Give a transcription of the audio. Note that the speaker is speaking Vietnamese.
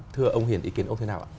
thưa ông hiền ý kiến ông thế nào ạ